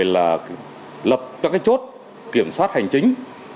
lập các chốt kiểm soát hành chính